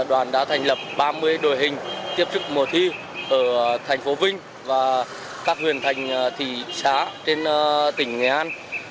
đoàn đã thành lập ba mươi đội hình tiếp sức mùa thi ở thành phố vinh và các huyện thành thị xã trên tỉnh nghệ an